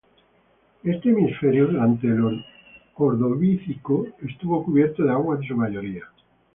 Este hemisferio durante el Ordovícico estuvo cubierto de agua en su mayoría.